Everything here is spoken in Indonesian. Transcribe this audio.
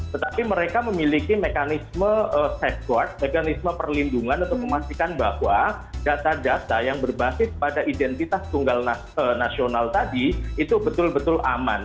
tetapi mereka memiliki mekanisme safeguard mekanisme perlindungan untuk memastikan bahwa data data yang berbasis pada identitas tunggal nasional tadi itu betul betul aman